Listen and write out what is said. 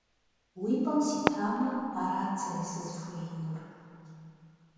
Уи пӏэм ситамэ, арат сэри сызыхуеинур.